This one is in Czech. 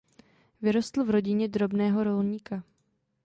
Vyrostl v rodině drobného rolníka.